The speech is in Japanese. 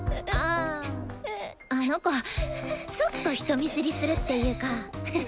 ああの子ちょっと人見知りするっていうか。